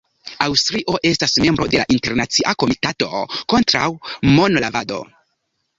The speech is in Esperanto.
Aŭstrio estas membro de la Internacia Komitato kontraŭ Monlavado.